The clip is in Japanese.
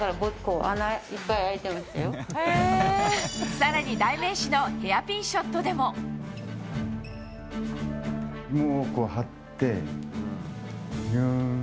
更に代名詞のヘアピンショットでも。